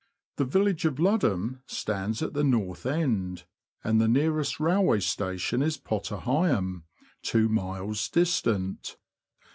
The village of Ludham stands at the north end, and the nearest railway station is Potter Heigham, two miles distant.